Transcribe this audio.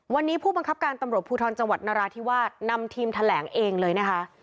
วันนี้ผู้บังคับการตำรวจภูทรจังหวัดนราธิวาสนำทีมแถลงเองเลยนะคะ